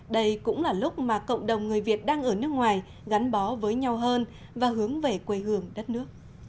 đây cũng là lúc mà cộng đồng người việt đang ở nước ngoài gắn bó với nhau hơn và hướng về quê hương đất nước